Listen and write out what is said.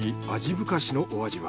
ぶかしのお味は？